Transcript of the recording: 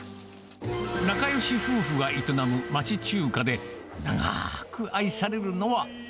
仲よし夫婦が営む町中華で、長ーく愛されるのは。